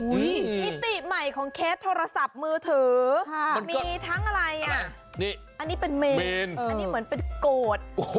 มิติใหม่ของเคสโทรศัพท์มือถือมีทั้งอะไรอ่ะนี่อันนี้เป็นเมนอันนี้เหมือนเป็นโกรธ